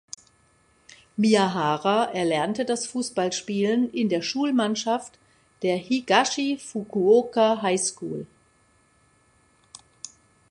Miyahara erlernte das Fußballspielen in der Schulmannschaft der "Higashi Fukuoka High School".